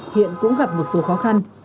hiện cũng gặp một số khó khăn